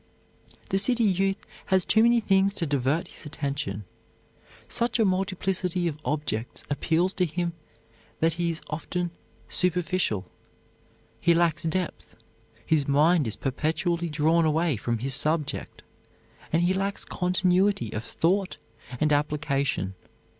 The city youth has too many things to divert his attention. Such a multiplicity of objects appeals to him that he is often superficial; he lacks depth; his mind is perpetually drawn away from his subject, and he lacks continuity of thought and application.